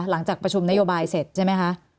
หลังจากประชุมนโยบายเสร็จใช่ไหมคะ